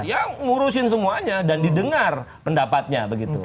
ya ngurusin semuanya dan didengar pendapatnya begitu